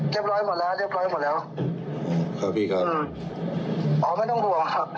ร้อยหมดแล้วเรียบร้อยหมดแล้วครับพี่ครับอ๋อไม่ต้องห่วงครับ